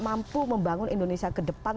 mampu membangun indonesia kedepan